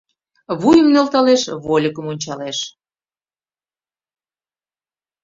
Вуйым нӧлталеш, вольыкым ончалеш.